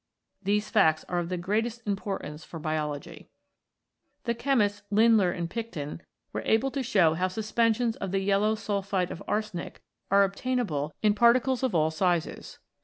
These facts are of the greatest importance for Biology. The chemists Under and Picton were able to show how suspensions of the yellow sulphide of arsenic are obtainable in particles of all sizes.